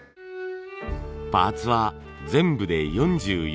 パーツは全部で４４枚。